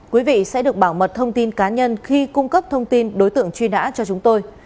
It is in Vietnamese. quý vị sẽ được bảo mật thông tin cá nhân khi cung cấp thông tin đối tượng truy nã cho chúng tôi